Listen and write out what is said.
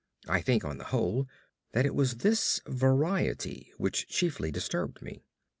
I think, on the whole, that it was this variety which chiefly disturbed me.